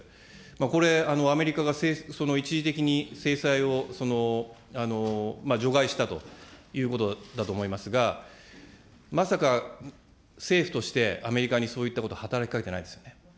これ、アメリカが一時的に、その制裁を除外したということだと思いますが、まさか、政府として、アメリカにそういったこと働きかけてないですよね。